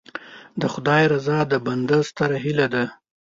د خدای رضا د بنده ستره هیله ده.